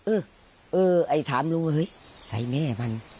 เออเออไอ้ถามลุงเฮ้ยใส่แม่มัน